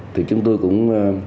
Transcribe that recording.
thì chúng tôi cũng